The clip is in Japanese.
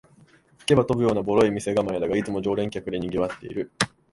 吹けば飛ぶようなボロい店構えだが、いつも常連客でにぎわってる